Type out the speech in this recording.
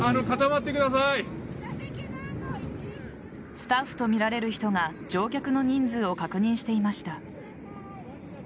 スタッフとみられる人が乗客の人数を確認していました。